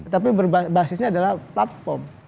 tapi berbasisnya adalah platform